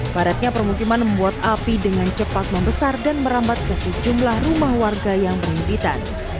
baratnya permukiman membuat api dengan cepat membesar dan merambat ke sejumlah rumah warga yang berhimpitan